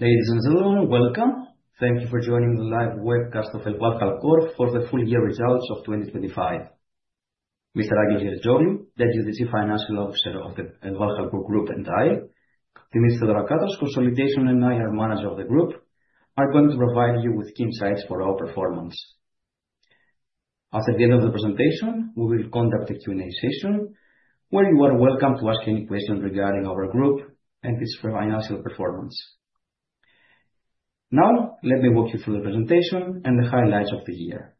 Ladies and gentlemen, welcome. Thank you for joining the live webcast of ElvalHalcor for the full year results of 2025. Mr. Angelos Giazitzoglou, that is the Chief Financial Officer of the ElvalHalcor Group, and I, Dimitris Theodorakatos, Consolidation and IR Manager of the Group, are going to provide you with insights for our performance. At the end of the presentation, we will conduct a Q&A session where you are welcome to ask any questions regarding our group and its financial performance. Now, let me walk you through the presentation and the highlights of the year.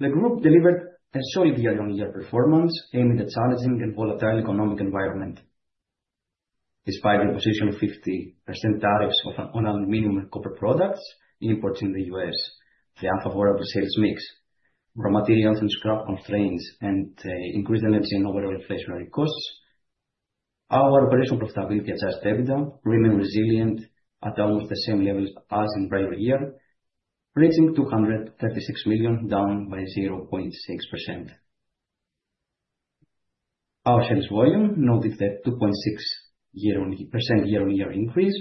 The group delivered a solid year-on-year performance in a challenging and volatile economic environment. Despite the imposition of 50% tariffs on aluminum and copper products imports in the U.S., the unfavorable sales mix, raw materials and scrap constraints, and increased energy and overall inflationary costs, our operational profitability adjusted EBITDA remains resilient at almost the same level as in prior year, reaching 236 million, down by 0.6%. Our sales volume noted a 2.6% year-on-year increase,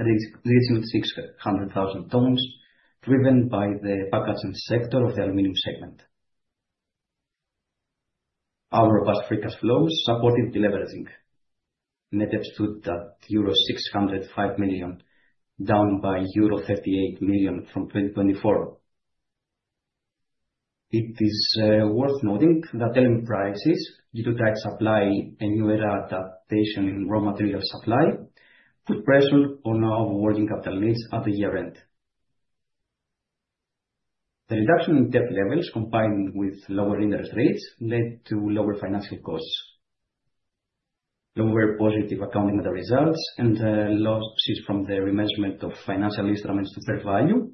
reaching 600,000 tons, driven by the packaging sector of the Aluminum segment. Our robust free cash flows supported deleveraging. Net debt stood at euro 605 million, down by euro 38 million from 2024. It is worth noting that aluminum prices due to tight supply and new adaptation in raw material supply put pressure on our working capital needs at the year-end. The reduction in debt levels, combined with lower interest rates, led to lower financial costs. Lower positive accounting of the results and losses from the remeasurement of financial instruments to fair value,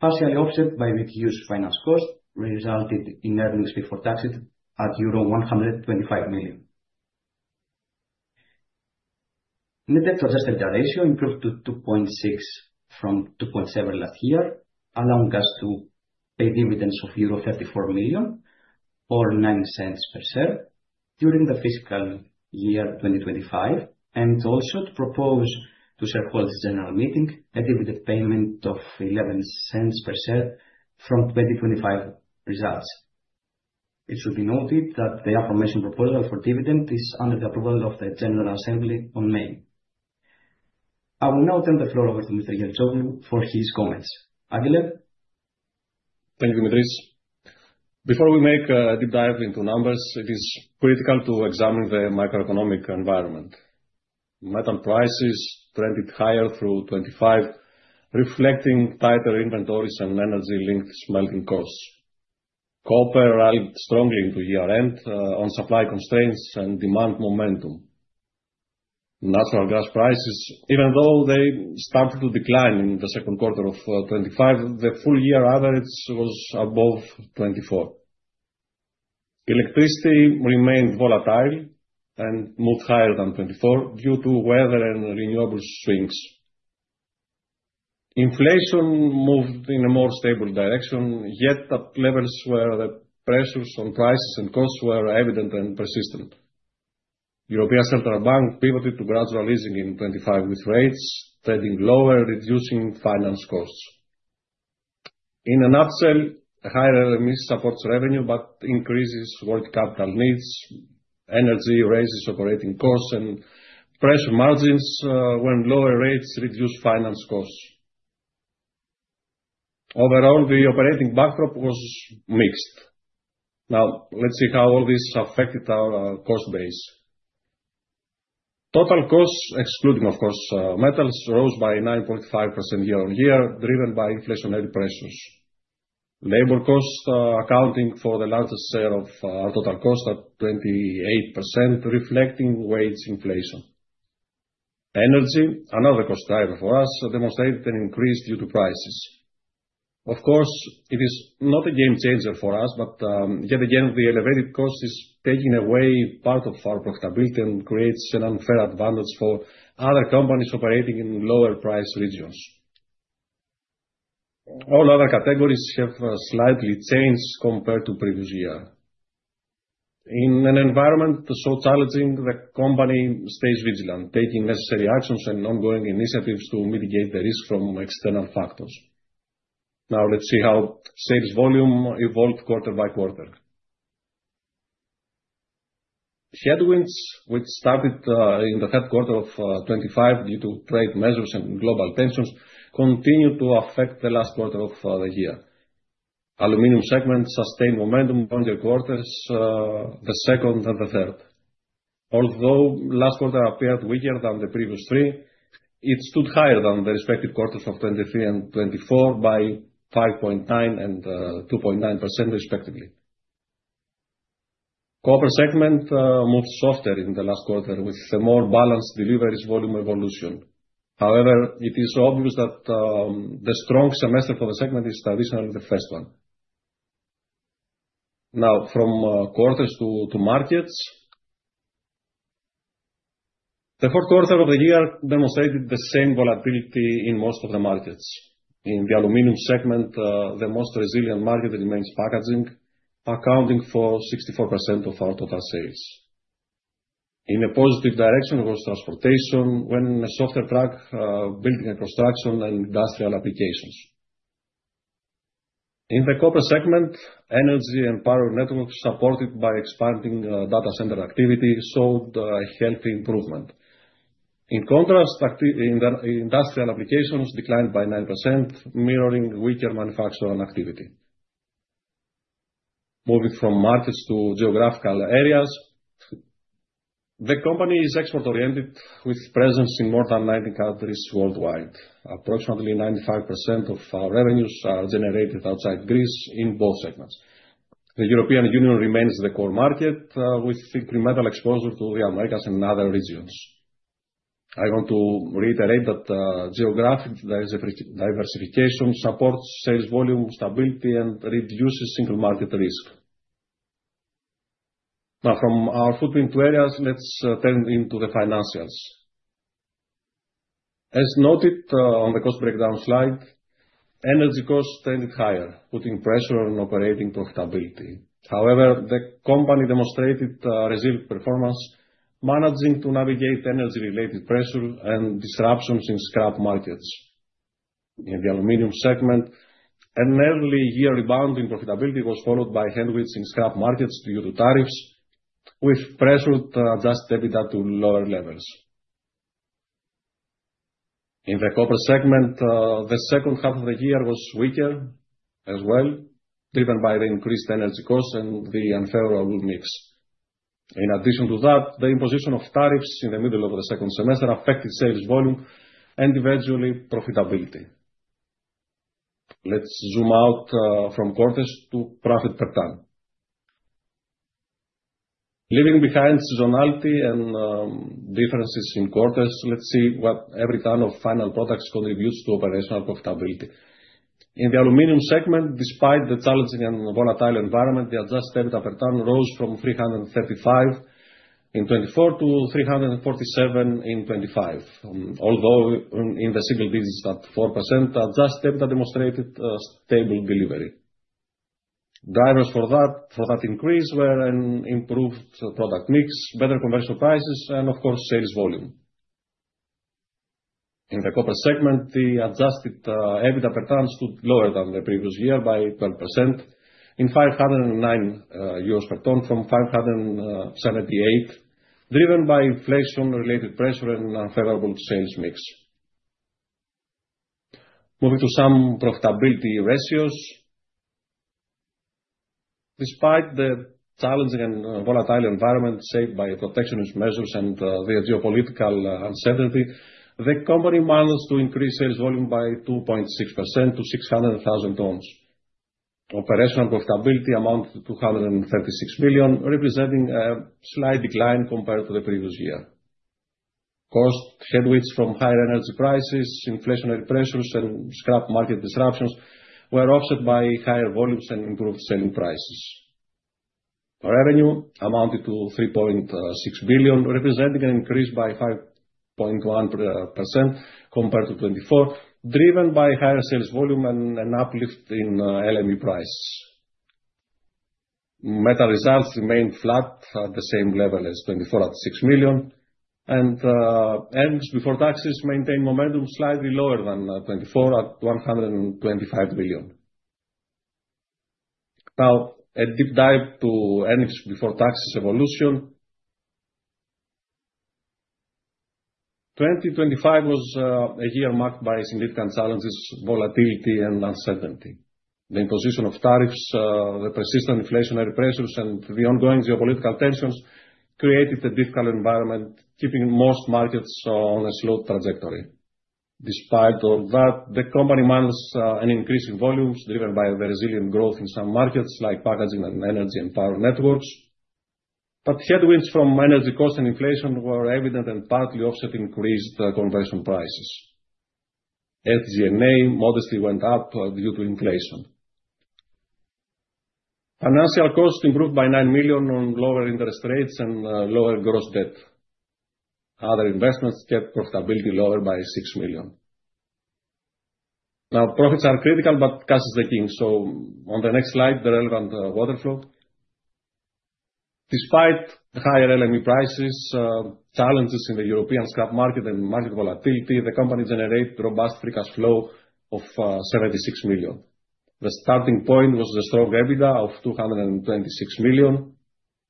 partially offset by reduced finance costs, resulted in earnings before taxes at euro 125 million. Net debt-to-adjusted EBITDA ratio improved to 2.6 from 2.7 last year, allowing us to pay dividends of euro 34 million or 0.09 per share during the fiscal year 2025, and also to propose to shareholders general meeting a dividend payment of 0.11 per share from 2025 results. It should be noted that the aforementioned proposal for dividend is under the approval of the General Assembly on May. I will now turn the floor over to Mr. Giazitzoglou for his comments. Angelos? Thank you, Dimitris. Before we make a deep dive into numbers, it is critical to examine the macroeconomic environment. Metal prices trended higher through 2025, reflecting tighter inventories and energy-linked smelting costs. Copper rallied strongly into year-end on supply constraints and demand momentum. Natural gas prices, even though they started to decline in the second quarter of 2025, the full year average was above 2024. Electricity remained volatile and moved higher than 2024 due to weather and renewable swings. Inflation moved in a more stable direction, yet at levels where the pressures on prices and costs were evident and persistent. European Central Bank pivoted to gradual easing in 2025, with rates trending lower, reducing finance costs. In a nutshell, higher aluminum supports revenue, but increases working capital needs, energy raises operating costs and pressures margins when lower rates reduce finance costs. Overall, the operating backdrop was mixed. Now, let's see how all this affected our cost base. Total costs, excluding of course, metals, rose by 9.5% year-on-year, driven by inflationary pressures. Labor costs, accounting for the largest share of total cost at 28%, reflecting wage inflation. Energy, another cost driver for us, demonstrated an increase due to prices. Of course, it is not a game changer for us, but yet again, the elevated cost is taking away part of our profitability and creates an unfair advantage for other companies operating in lower price regions. All other categories have slightly changed compared to previous year. In an environment so challenging, the company stays vigilant, taking necessary actions and ongoing initiatives to mitigate the risk from external factors. Now let's see how sales volume evolved quarter by quarter. Headwinds, which started in the third quarter of 2025 due to trade measures and global tensions, continued to affect the last quarter of the year. Aluminum segment sustained momentum on the quarters the second and the third. Although last quarter appeared weaker than the previous three, it stood higher than the respective quarters of 2023 and 2024 by 5.9% and 2.9% respectively. Copper segment moved softer in the last quarter with a more balanced deliveries volume evolution. However, it is obvious that the strong semester for the segment is traditionally the first one. Now, from quarters to markets. The fourth quarter of the year demonstrated the same volatility in most of the markets. In the Aluminum segment, the most resilient market remains packaging, accounting for 64% of our total sales. In a positive direction was transportation, while a softer truck building and construction and industrial applications. In the Copper segment, energy and power networks, supported by expanding data center activity, showed a healthy improvement. In contrast, activity in industrial applications declined by 9%, mirroring weaker manufacturing activity. Moving from markets to geographical areas. The company is export-oriented, with presence in more than 90 countries worldwide. Approximately 95% of our revenues are generated outside Greece in both segments. The European Union remains the core market, with significant market exposure to the Americas and other regions. I want to reiterate that geographic diversification supports sales volume stability and reduces single market risk. Now from our footprint areas, let's turn to the financials. As noted on the cost breakdown slide, energy costs trended higher, putting pressure on operating profitability. However, the company demonstrated resilient performance, managing to navigate energy-related pressure and disruptions in scrap markets. In the Aluminum segment, an early year rebound in profitability was followed by headwinds in scrap markets due to tariffs, with pressure to adjust EBITDA to lower levels. In the Copper segment, the second half of the year was weaker as well, driven by the increased energy costs and the unfavorable product mix. In addition to that, the imposition of tariffs in the middle of the second semester affected sales volume and eventually profitability. Let's zoom out from quarters to profit per ton. Leaving behind seasonality and differences in quarters, let's see what every ton of final products contributes to operational profitability. In the Aluminum segment, despite the challenging and volatile environment, the adjusted EBITDA per ton rose from 335 in 2024 to 347 in 2025. Although in the single digits at 4%, adjusted EBITDA demonstrated a stable delivery. Drivers for that increase were an improved product mix, better commercial prices, and of course, sales volume. In the Copper segment, the adjusted EBITDA per ton stood lower than the previous year by 12% in 509 per ton from 578, driven by inflation-related pressure and unfavorable sales mix. Moving to some profitability ratios. Despite the challenging and volatile environment saved by protectionist measures and the geopolitical uncertainty, the company managed to increase sales volume by 2.6% to 600,000 tons. Operational profitability amounted to 236 million, representing a slight decline compared to the previous year. Cost headwinds from higher energy prices, inflationary pressures, and scrap market disruptions were offset by higher volumes and improved selling prices. Revenue amounted to 3.6 billion, representing an increase by 5.1% compared to 2024, driven by higher sales volume and an uplift in LME price. Metal results remained flat at the same level as 2024 at 6 million. Earnings before taxes maintain momentum slightly lower than 2024 at 125 million. Now, a deep dive to earnings before taxes evolution. 2025 was a year marked by significant challenges, volatility, and uncertainty. The imposition of tariffs, the persistent inflationary pressures, and the ongoing geopolitical tensions created a difficult environment, keeping most markets on a slow trajectory. Despite all that, the company managed an increase in volumes driven by the resilient growth in some markets like packaging and energy and power networks. Headwinds from energy cost and inflation were evident and partly offset increased conversion prices. FC&A modestly went up due to inflation. Financial costs improved by 9 million on lower interest rates and lower gross debt. Other investments kept profitability lower by 6 million. Now, profits are critical, but cash is the king. On the next slide, the relevant cash flow. Despite the higher LME prices, challenges in the European scrap market and market volatility, the company generated robust free cash flow of 76 million. The starting point was the strong EBITDA of 226 million.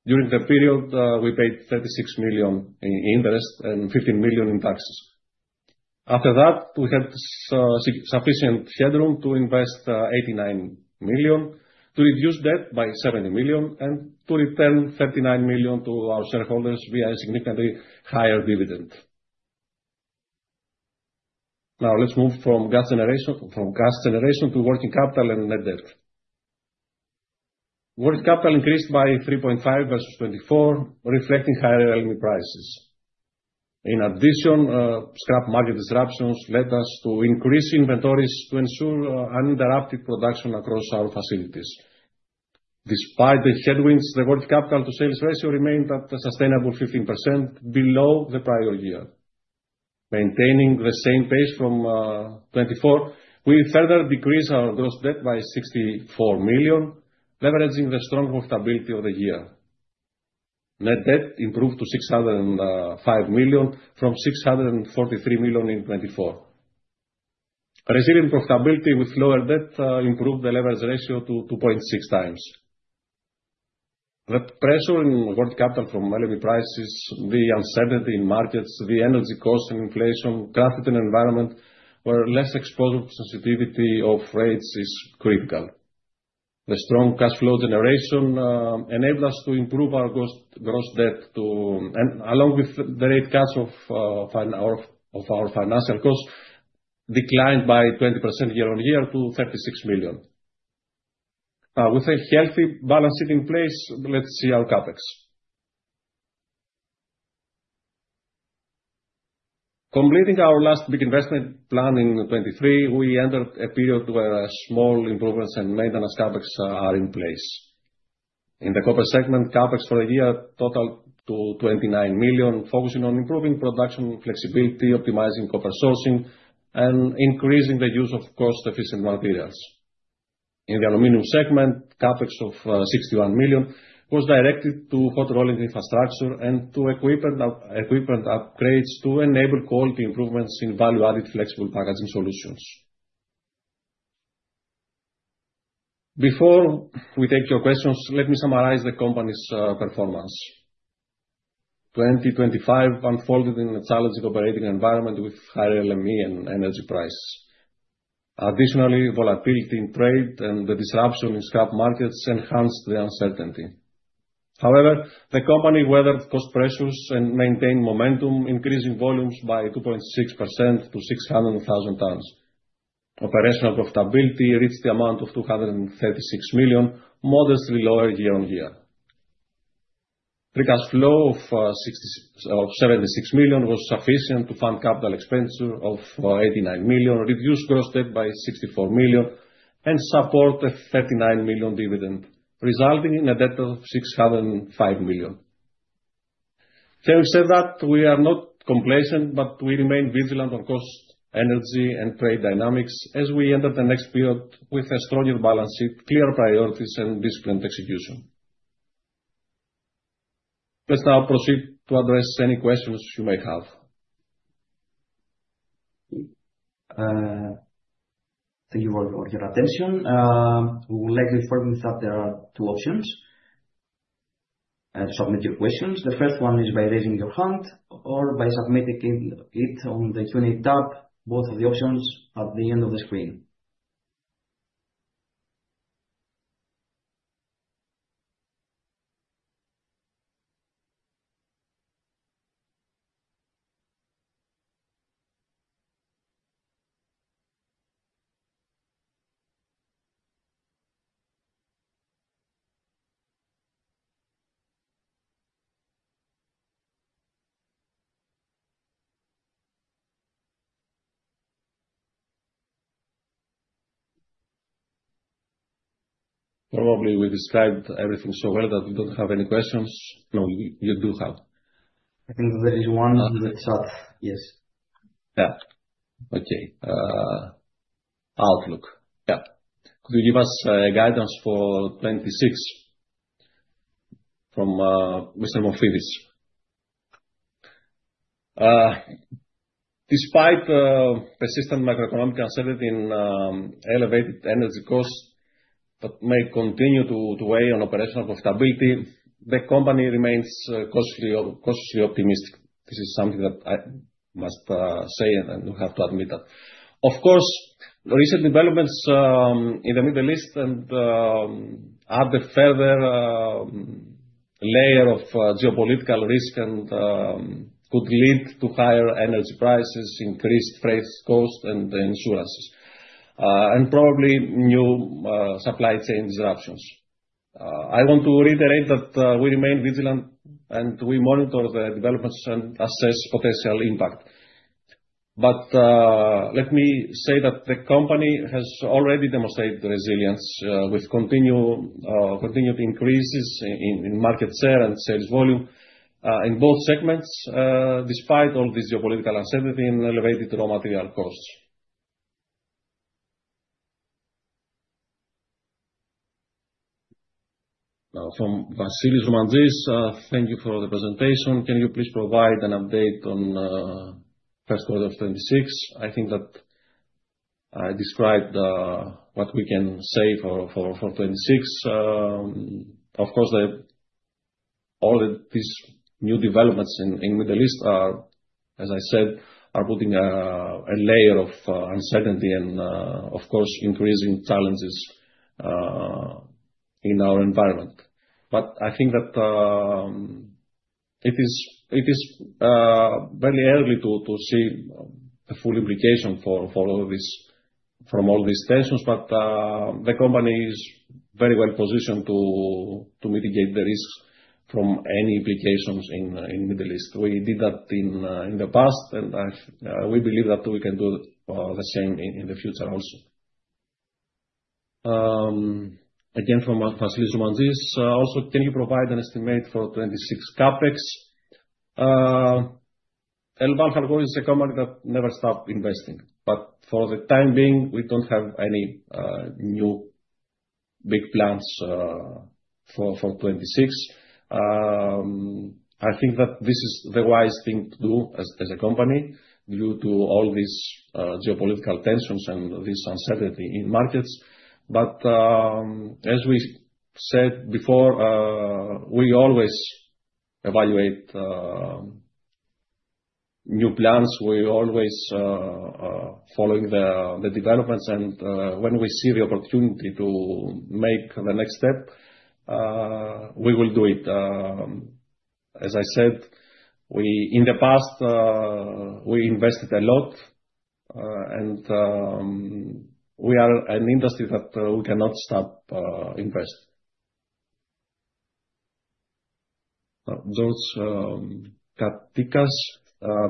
During the period, we paid 36 million in interest and 15 million in taxes. After that, we had sufficient headroom to invest 89 million, to reduce debt by 70 million, and to return 39 million to our shareholders via a significantly higher dividend. Now let's move from gas generation to working capital and net debt. Working capital increased by 3.5% versus 2024, reflecting higher LME prices. In addition, scrap market disruptions led us to increase inventories to ensure uninterrupted production across our facilities. Despite the headwinds, the working capital to sales ratio remained at a sustainable 15% below the prior year. Maintaining the same pace from 2024, we further decreased our gross debt by 64 million, leveraging the strong profitability of the year. Net debt improved to 605 million from 643 million in 2024. Resilient profitability with lower debt improved the leverage ratio to 2.6x. The pressure in working capital from LME prices, the uncertainty in markets, the energy cost and inflation crafted an environment where less exposure to sensitivity of rates is critical. The strong cash flow generation enabled us to improve our gross debt, and along with the rate cuts, our financial costs declined by 20% year-on-year to 36 million. With a healthy balance sheet in place, let's see our CapEx. Completing our last big investment plan in 2023, we entered a period where small improvements and maintenance CapEx are in place. In the Copper segment, CapEx for a year totaled to 29 million, focusing on improving production flexibility, optimizing copper sourcing, and increasing the use of cost-efficient materials. In the Aluminum segment, CapEx of 61 million was directed to hot rolling infrastructure and to equipment upgrades to enable quality improvements in value-added flexible packaging solutions. Before we take your questions, let me summarize the company's performance. 2025 unfolded in a challenging operating environment with higher LME and energy prices. Additionally, volatility in trade and the disruption in scrap markets enhanced the uncertainty. However, the company weathered cost pressures and maintained momentum, increasing volumes by 2.6% to 600,000 tons. Operational profitability reached 236 million, modestly lower year-on-year. Free cash flow of 76 million was sufficient to fund capital expenditure of 89 million, reduce gross debt by 64 million, and support a 39 million dividend, resulting in a debt of 605 million. Having said that, we are not complacent, but we remain vigilant on cost, energy, and trade dynamics as we enter the next period with a stronger balance sheet, clear priorities, and disciplined execution. Let's now proceed to address any questions you may have. Thank you all for your attention. We would like to inform you that there are two options to submit your questions. The first one is by raising your hand or by submitting it on the Q&A tab, both of the options at the end of the screen. Probably we described everything so well that we don't have any questions. No, you do have. I think there is one in the chat. Yes. Could you give us guidance for 2026 from Mr. Morfiris. Despite persistent macroeconomic uncertainty and elevated energy costs that may continue to weigh on operational profitability, the company remains cautiously optimistic. This is something that I must say, and I do have to admit that. Of course, recent developments in the Middle East add a further layer of geopolitical risk and could lead to higher energy prices, increased freight costs and insurances, and probably new supply chain disruptions. I want to reiterate that we remain vigilant, and we monitor the developments and assess potential impact. Let me say that the company has already demonstrated resilience with continued increases in market share and sales volume in both segments despite all this geopolitical uncertainty and elevated raw material costs. Now from Vasilis Romanzis, thank you for the presentation. Can you please provide an update on first quarter of 2026? I think that I described what we can say for 2026. Of course, all of these new developments in Middle East are, as I said, putting a layer of uncertainty and of course increasing challenges in our environment. I think that it is very early to see the full implication from all these tensions. The company is very well positioned to mitigate the risk from any implications in Middle East. We did that in the past, and we believe that we can do the same in the future also. Again from Vasilis Romanzis. Also, can you provide an estimate for 2026 CapEx? ElvalHalcor is a company that never stop investing, but for the time being, we don't have any new big plans for 2026. I think that this is the wise thing to do as a company due to all these geopolitical tensions and this uncertainty in markets. As we said before, we always evaluate new plans. We always follow the developments and when we see the opportunity to make the next step, we will do it. As I said, in the past, we invested a lot, and we are an industry that we cannot stop investing. George Katikas,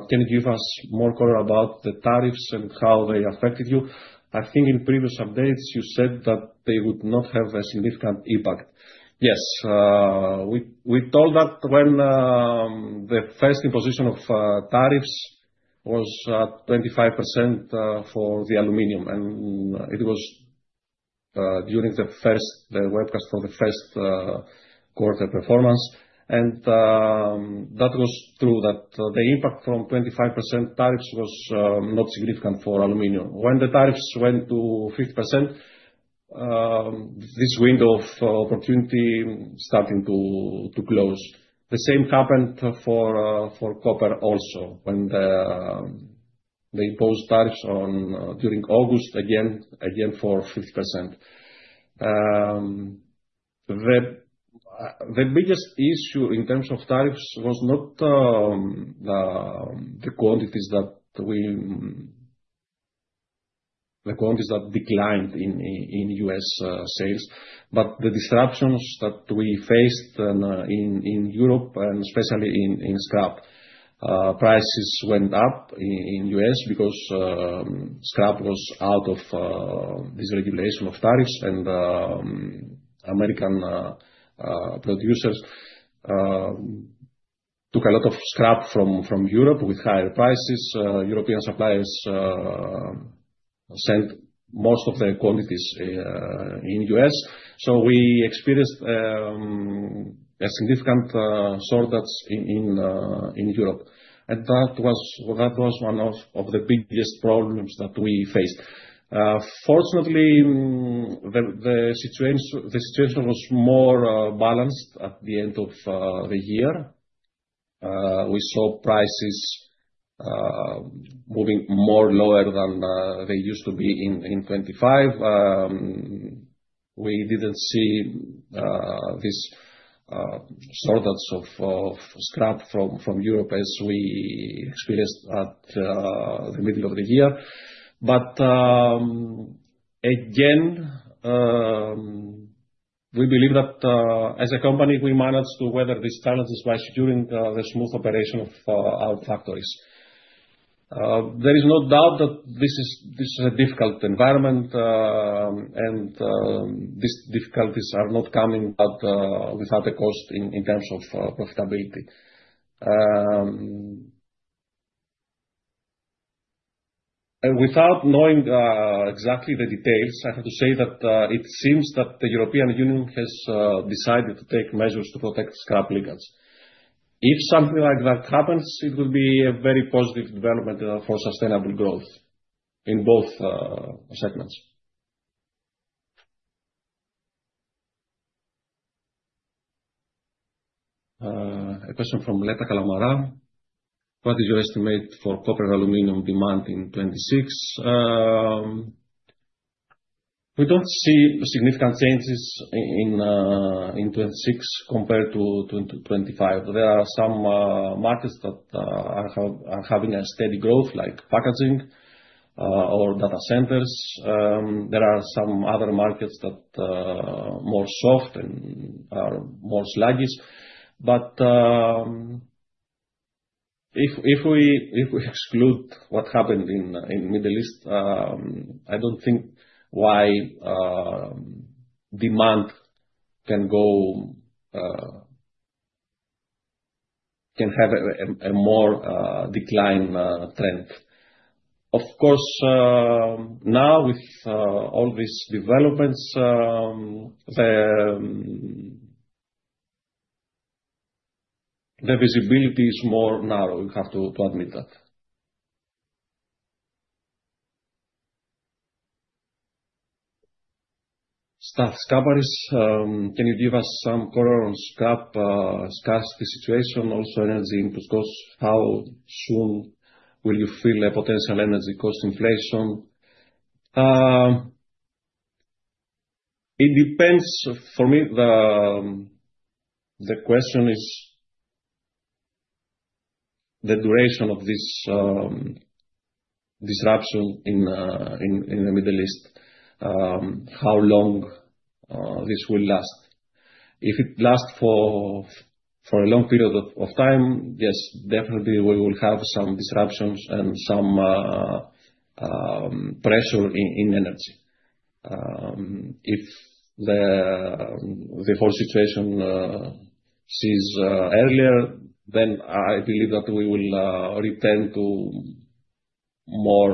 can you give us more color about the tariffs and how they affected you? I think in previous updates you said that they would not have a significant impact. Yes. We told that when the first imposition of tariffs was 25% for the aluminum, and it was during the webcast for the first quarter performance. That was true that the impact from 25% tariffs was not significant for aluminum. When the tariffs went to 50%, this window of opportunity started to close. The same happened for copper also, when they imposed tariffs in August again for 50%. The biggest issue in terms of tariffs was not the quantities that declined in U.S. sales, but the disruptions that we faced in Europe and especially in scrap. Prices went up in U.S. because scrap was out of this regulation of tariffs and American producers took a lot of scrap from Europe with higher prices. European suppliers sent most of their quantities to U.S. We experienced a significant shortage in Europe, and that was one of the biggest problems that we faced. Fortunately, the situation was more balanced at the end of the year. We saw prices moving more lower than they used to be in 2025. We didn't see this shortage of scrap from Europe as we experienced at the middle of the year. Again, we believe that as a company, we managed to weather these challenges by securing the smooth operation of our factories. There is no doubt that this is a difficult environment, and these difficulties are not coming without a cost in terms of profitability. Without knowing exactly the details, I have to say that it seems that the European Union has decided to take measures to protect scrap liquids. If something like that happens, it will be a very positive development for sustainable growth in both segments. A question from Leta Kalamara. What is your estimate for copper aluminum demand in 2026? We don't see significant changes in 2026 compared to 2025. There are some markets that are having a steady growth like packaging or data centers. There are some other markets that more soft and are more sluggish. If we exclude what happened in the Middle East, I don't think why demand can have a more decline trend. Of course, now with all these developments, the visibility is more narrow, you have to admit that. Stathis Kaparis, can you give us some color on scrap scarcity situation, also energy input costs. How soon will you feel a potential energy cost inflation? It depends. For me, the question is the duration of this disruption in the Middle East. How long this will last. If it lasts for a long period of time, yes, definitely we will have some disruptions and some pressure in energy. If the whole situation cease earlier, then I believe that we will return to more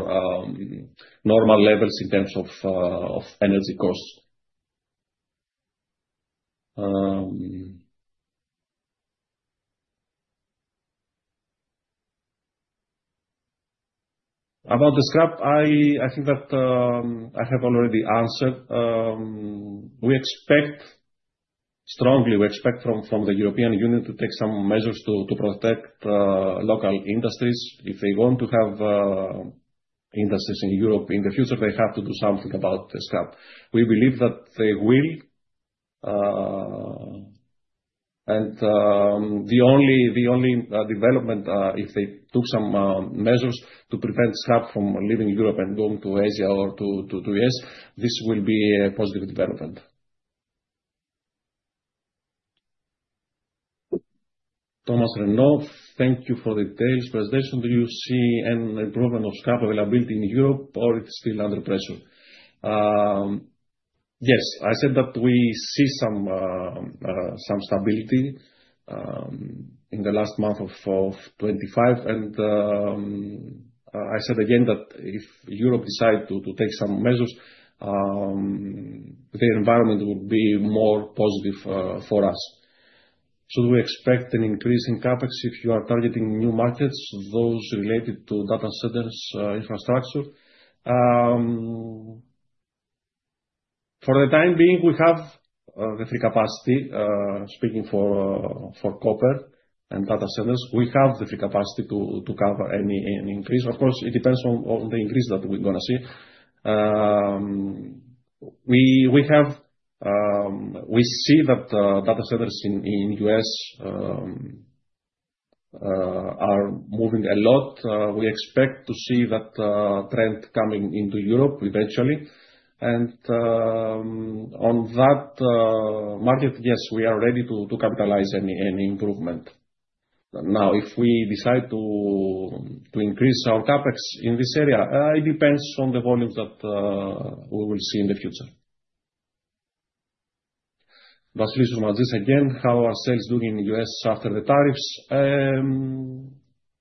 normal levels in terms of energy costs. About the scrap, I think that I have already answered. We expect from the European Union to take some measures to protect local industries. If they want to have industries in Europe in the future, they have to do something about the scrap. We believe that they will. The only development if they took some measures to prevent scrap from leaving Europe and going to Asia or to the U.S., this will be a positive development. Thomas Renaud. Thank you for the detailed presentation. Do you see an improvement of scrap availability in Europe or it's still under pressure? Yes. I said that we see some stability in the last month of 2025. I said again that if Europe decide to take some measures, the environment will be more positive for us. We expect an increase in CapEx if you are targeting new markets, those related to data centers, infrastructure. For the time being, we have the free capacity, speaking for copper and data centers, we have the free capacity to cover any increase. Of course, it depends on the increase that we're gonna see. We see that data centers in U.S. are moving a lot. We expect to see that trend coming into Europe eventually. On that market, yes, we are ready to capitalize any improvement. Now, if we decide to increase our CapEx in this area, it depends on the volumes that we will see in the future. Vasilis Romanzis again. How are sales doing in the U.S. after the tariffs?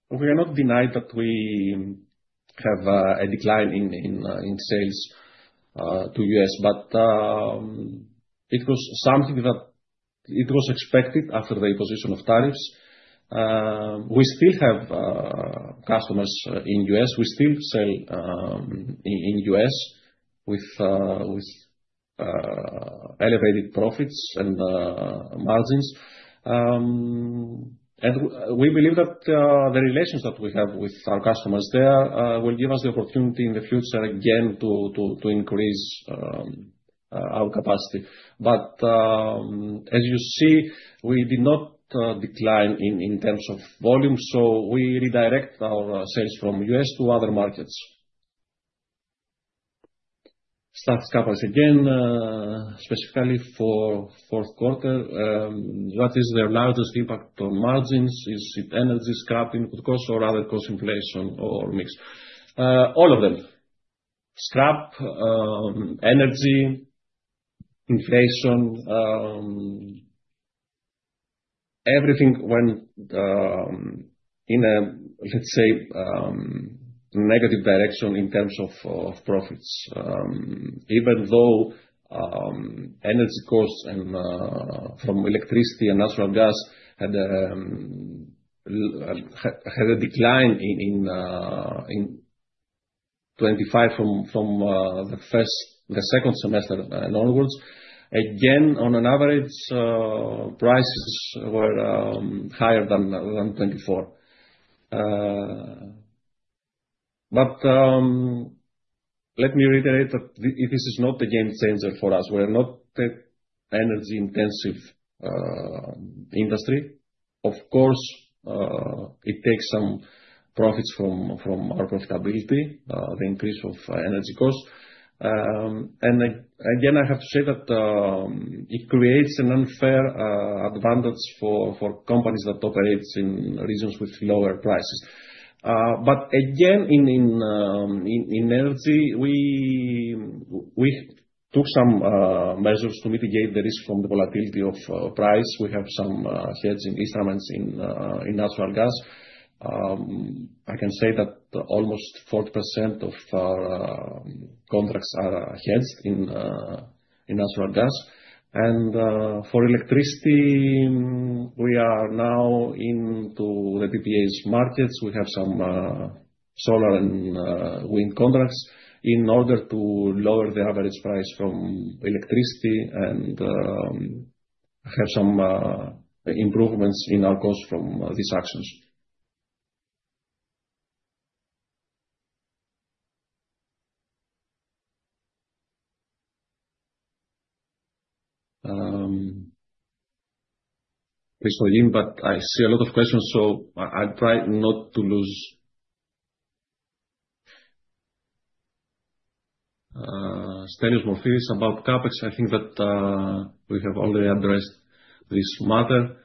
We do not deny that we have a decline in sales to U.S., but it was something that was expected after the imposition of tariffs. We still have customers in U.S. We still sell in U.S. with elevated profits and margins. We believe that the relations that we have with our customers there will give us the opportunity in the future again to increase our capacity. As you see, we did not decline in terms of volume, so we redirect our sales from U.S. to other markets. Stathis Kaparis again, specifically for fourth quarter, what is their largest impact on margins? Is it energy, scrap, input costs or other cost inflation or mix? All of them. Scrap, energy, inflation, everything went in a, let's say, negative direction in terms of profits. Even though energy costs and from electricity and natural gas had a decline in 2025 from the second semester onwards, again, on an average, prices were higher than 2024. Let me reiterate that this is not a game changer for us. We're not the energy-intensive industry. Of course, it takes some profits from our profitability, the increase of energy costs. Again, I have to say that it creates an unfair advantage for companies that operates in regions with lower prices. But again, in energy, we took some measures to mitigate the risk from the volatility of price. We have some hedging instruments in natural gas. I can say that almost 40% of our contracts are hedged in natural gas. For electricity, we are now into the PPAs markets. We have some solar and wind contracts in order to lower the average price from electricity and have some improvements in our costs from these actions. I see a lot of questions, so I'll try not to lose. Stefanos Morfiris about CapEx. I think that we have already addressed this matter.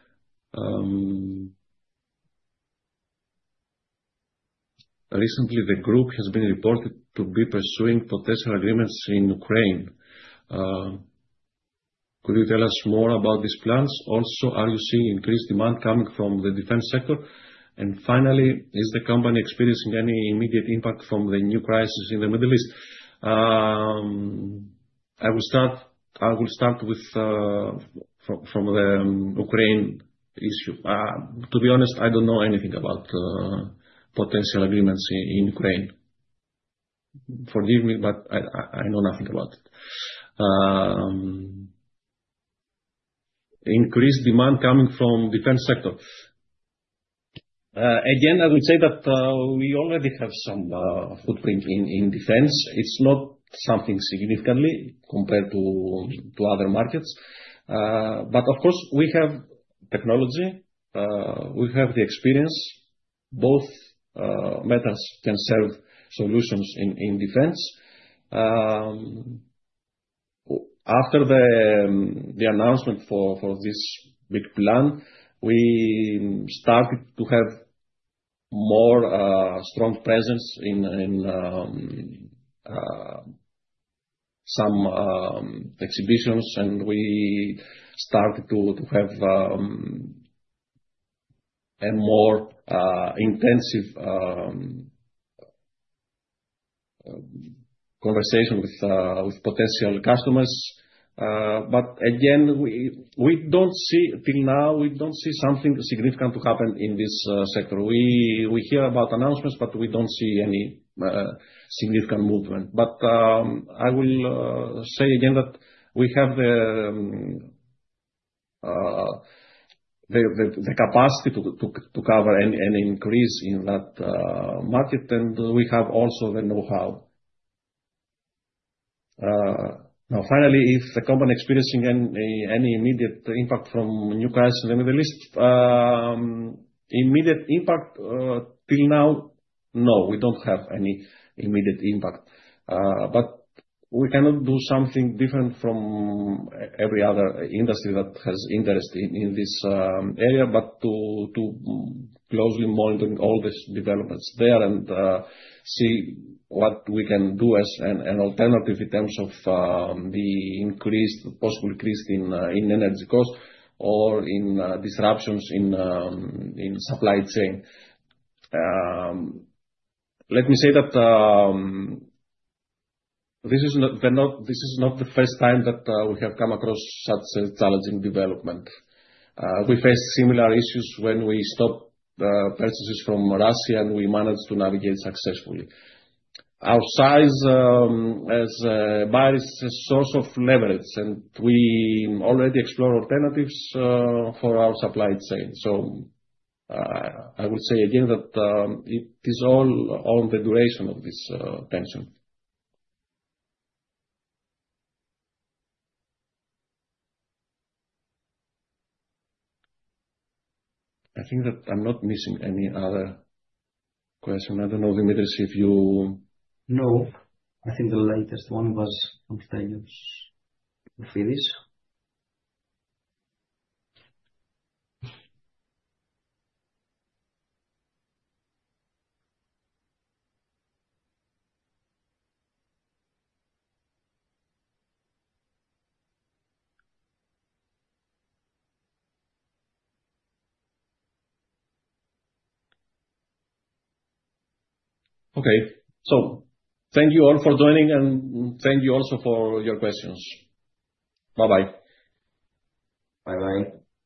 Recently the group has been reported to be pursuing potential agreements in Ukraine. Could you tell us more about these plans? Are you seeing increased demand coming from the defense sector? Is the company experiencing any immediate impact from the new crisis in the Middle East? I will start with the Ukraine issue. To be honest, I don't know anything about potential agreements in Ukraine. Forgive me, but I know nothing about it. Increased demand coming from defense sector. Again, I would say that we already have some footprint in defense. It's not something significantly compared to other markets. Of course we have technology. We have the experience. Both methods can serve solutions in defense. After the announcement for this big plan, we started to have more strong presence in some exhibitions, and we started to have a more intensive conversation with potential customers. Again, we don't see till now, we don't see something significant to happen in this sector. We hear about announcements, but we don't see any significant movement. I will say again that we have the capacity to cover any increase in that market, and we have also the know-how. Now finally, is the company experiencing any immediate impact from new crisis in the Middle East? Immediate impact, till now, no. We don't have any immediate impact. We cannot do something different from every other industry that has interest in this area, but to closely monitoring all these developments there and see what we can do as an alternative in terms of the possible increase in energy costs or in disruptions in supply chain. Let me say that this is not the first time that we have come across such a challenging development. We faced similar issues when we stopped purchases from Russia, and we managed to navigate successfully. Our size as a buyer is a source of leverage, and we already explore alternatives for our supply chain. I will say again that it is all on the duration of this tension. I think that I'm not missing any other question. I don't know, Dimitris, if you? No. I think the latest one was from Stefanos Morfiris. Okay. Thank you all for joining, and thank you also for your questions. Bye-bye. Bye-bye.